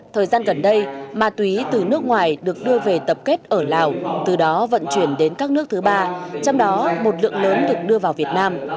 thời gian gần đây ma túy từ nước ngoài được đưa về tập kết ở lào từ đó vận chuyển đến các nước thứ ba trong đó một lượng lớn được đưa vào việt nam